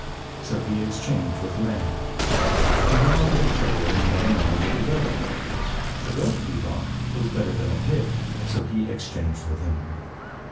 So he exchanged with the man. He went on a bit further, and met a man with a goat. A goat, he thought, was better than a pig. So he exchanged with him.